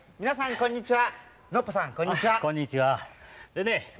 こんにちは。